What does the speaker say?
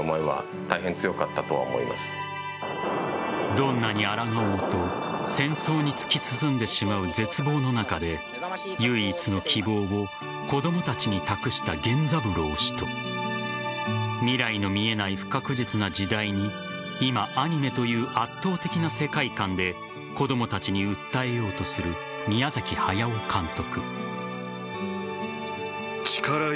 どんなにあらがおうと戦争に突き進んでしまう絶望の中で唯一の希望を子供たちに託した源三郎氏と未来の見えない不確実な時代に今、アニメという圧倒的な世界観で子供たちに訴えようとする宮崎駿監督。